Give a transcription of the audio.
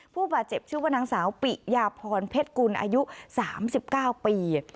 ผู้บาดเจ็บชื่อว่านางสาวปิยาพรเพชรกุลอายุ๓๙ปี